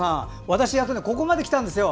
私、ここまできたんですよ。